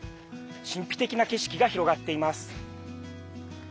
神秘的な景色が広がっています。